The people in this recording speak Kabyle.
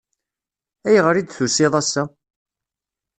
Ayɣer i d-tusiḍ ass-a?